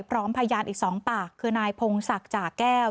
พร้อมพยานอีก๒ปากคือนายพงศักดิ์จ่าแก้ว